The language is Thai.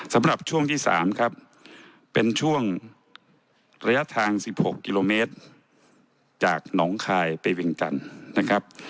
สำหรับช่วงที่๓ครับเป็นช่วงระยะทาง๑๖กิโลเมตรจากหนองคายไปเวียงจันทร์นะครับ